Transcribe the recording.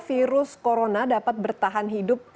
virus corona dapat bertahan hidup